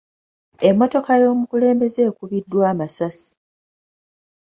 Emmotoka y'omukulembeze ekubiddwa amasasi.